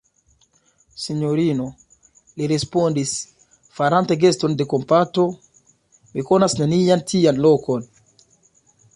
Sinjorino, li respondis, farante geston de kompato, mi konas nenian tian lokon.